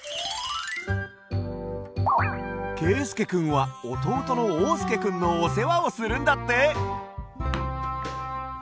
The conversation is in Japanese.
けいすけくんはおとうとのおうすけくんのおせわをするんだって！